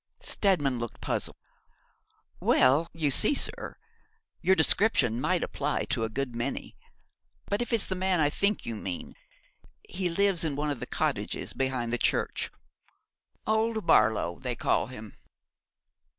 Steadman looked puzzled. 'Well, you see, sir, your description might apply to a good many; but if it's the man I think you mean he lives in one of the cottages behind the church. Old Barlow, they call him.'